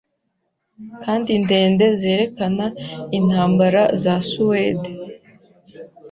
kandi ndende zerekana intambara za Suwede